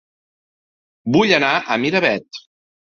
Vull anar a Miravet